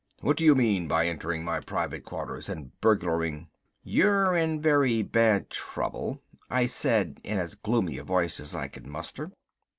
"What do you mean by entering my private quarters and burglaring " "You're in very bad trouble," I said in as gloomy a voice as I could muster.